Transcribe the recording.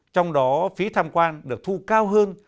trong đó phí tham quan được thu cao hơn